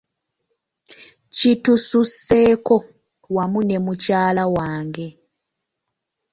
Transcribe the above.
Kitususeko wamu ne mukyala wange.